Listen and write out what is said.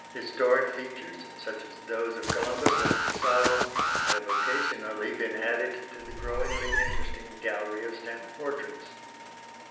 Historic features, such as those of Columbus and Pizarro, have occasionally been added to the growingly interesting gallery of stamp portraits.